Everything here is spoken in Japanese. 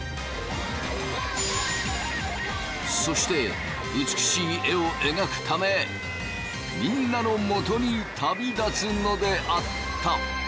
そして美しい絵を描くためみんなのもとに旅立つのであった。